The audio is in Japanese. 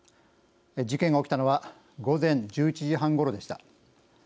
事件が起きたのは午前１１時半ごろでした。